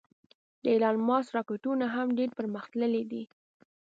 د ایلان ماسک راکټونه هم ډېر پرمختللې دې